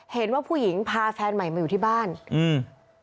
เห็นว่าผู้หญิงพาแฟนใหม่มาอยู่ที่บ้านอืม